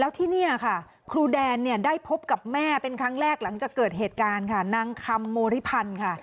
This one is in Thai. แล้วที่นี่ค่ะครูแดนได้พบกับแม่เป็นครั้งแรกหลังจากเกิดเหตุการณ์คำมธิพันธ์ค่ะ